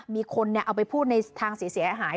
มีคนเอาไปพูดในทางเสียหาย